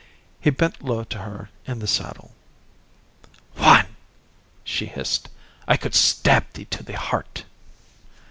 He bent low to her in the saddle. "Juan," she hissed, "I could stab thee to the heart!"